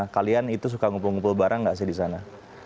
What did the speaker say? kalian itu suka ngumpul ngumpul bareng gak sih di sana